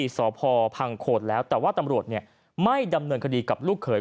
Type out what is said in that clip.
สพพังโขดแล้วแต่ว่าตำรวจไม่ดำเนินคดีกับลูกเขย